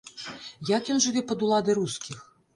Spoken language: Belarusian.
Як ён жыве пад уладай рускіх?